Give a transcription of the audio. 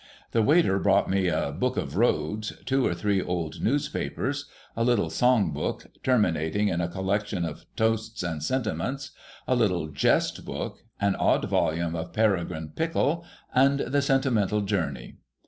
The waiter brought me a Book of Roads, two or three old Newspapers, a little Song Book, terminating in a collection of Toasts and Sentiments, a little Jest Book, an odd volume of Peregrine Pickle, and the Sentimental fonrney.